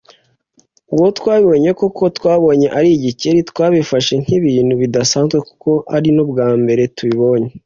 uko twabibonye koko twabonye ari igikeri…twabifashe nk’ibintu bidasanzwe kuko ari n’ubwa mbere tubibonye